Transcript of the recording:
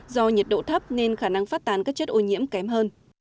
do nhiệt độ thấp nên khả năng phát tán các chất ô nhiễm kém hơn